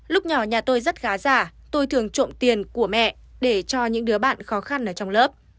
lúc nhỏ nhà tôi rất khá giả tôi thường trộm tiền của mẹ để cho những đứa bạn khó khăn ở trong lớp